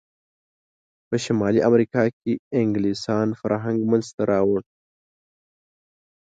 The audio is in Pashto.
په شمالي امریکا کې انګلسان فرهنګ منځته راوړ.